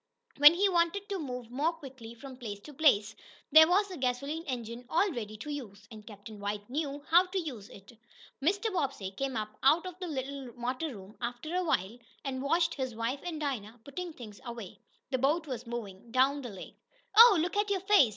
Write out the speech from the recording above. When he wanted to move more quickly from place to place, there was the gasoline engine all ready to use. And Captain White knew how to use it. Mr. Bobbsey came up out of the little motor room after a while, and watched his wife and Dinah putting things away. The boat was moving down the lake. "Oh, look at your face!"